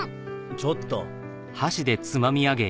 ちょっと。